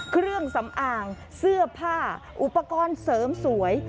เครื่องสำอางเสื้อผ้าอุปกรณ์เสริมสวย